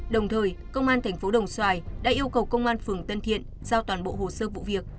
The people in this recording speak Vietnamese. đồng thời công an thành phố đồng xoài đã yêu cầu công an phường tân thiện giao toàn bộ hồ sơ vụ việc